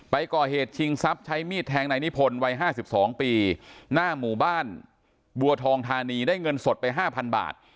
ก่อเหตุชิงทรัพย์ใช้มีดแทงนายนิพนธ์วัย๕๒ปีหน้าหมู่บ้านบัวทองธานีได้เงินสดไป๕๐๐บาท